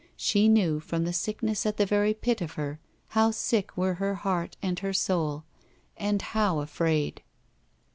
She knew, from the sickness at the very pit of her, how sick were her heart and her soul — and how afraid.